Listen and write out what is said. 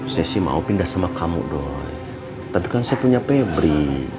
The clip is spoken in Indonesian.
saya sih mau pindah sama kamu dong tapi kan saya punya pebri